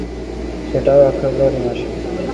সেটাও এক ফেব্রুয়ারি মাসে।